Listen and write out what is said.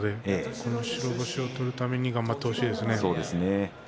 その１つを取るために頑張ってほしいですね。